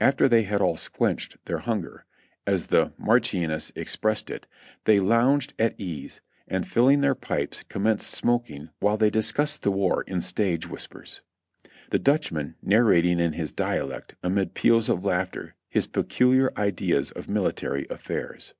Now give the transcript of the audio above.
After they had all "squenched" their hunger, as the "Marchioness" expressed it, they lounged at ease, and filling their pipes commenced smoking while they dis cussed the war in stage whispers; the Dutchman narrating in his dialect, amid peals of laughter, his peculiar ideas of military affairs.